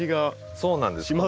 そうなんですよ。